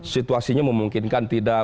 situasinya memungkinkan tidak